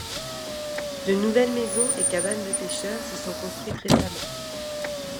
De nouvelles maisons et cabanes de pêcheurs s'y sont construites récemment.